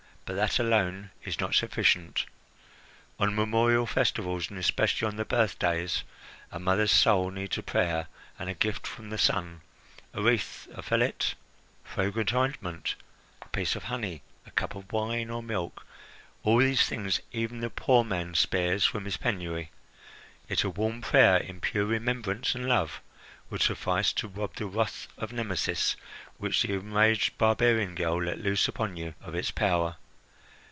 But that alone is not sufficient. On memorial festivals, and especially on the birthdays, a mother's soul needs a prayer and a gift from the son, a wreath, a fillet, fragrant ointment, a piece of honey, a cup of wine or milk all these things even the poor man spares from his penury yet a warm prayer, in pure remembrance and love, would suffice to rob the wrath of Nemesis, which the enraged barbarian girl let loose upon you, of its power.